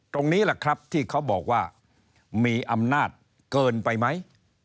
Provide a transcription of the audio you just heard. ตรงนี้แหละครับที่เขาบอกว่ามีอำนาจเกินไปไหม